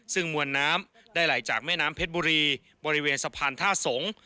ซึ่งมวลน้ำได้ไหลจากแม่น้ำเพชรบุรีบริเวณสะพานท่าสงฆ์